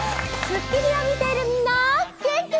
『スッキリ』を見てるみんな、元気？